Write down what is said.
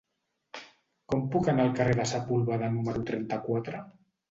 Com puc anar al carrer de Sepúlveda número trenta-quatre?